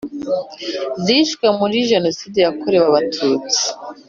zishwe muri Jenoside yakorewe Abatutsi